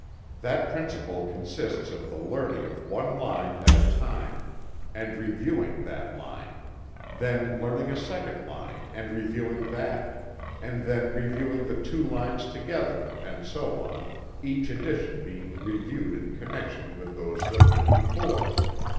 That principle consists of the learning of one line at a time, and reviewing that line; then learning a second line and reviewing that; and then reviewing the two lines together; and so on, each addition being reviewed in connection with those that went before.